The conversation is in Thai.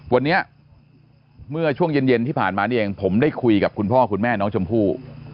วันนี้เมื่อช่วงเย็นที่ผ่านมานี่เองผมได้คุยกับคุณพ่อคุณแม่น้องชมพู่